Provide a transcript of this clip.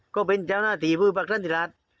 ก็เป็นเจ้าหน้าที่ภูมิปรักษณฑิราช